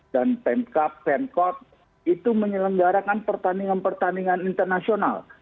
dan pemkap pemkot itu menyelenggarakan pertandingan pertandingan internasional